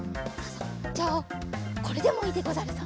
じゃあこれでもいいでござるぞ。